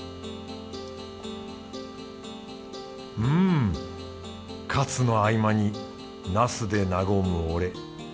うんかつの合間になすで和む俺。